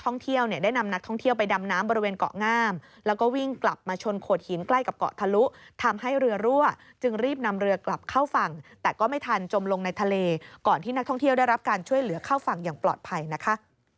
น้ำแล้วก็วิ่งกลับมาชนโขดหินใกล้กับเกาะทะลุทำให้เรือรั่วจึงรีบนำเรือกลับเข้าฝั่งแต่ก็ไม่ทันจมลงในทะเลก่อนที่นักท่องเที่ยวได้รับการช่วยเหลือเข้าฝั่งอย่างปลอดภัยนะคะ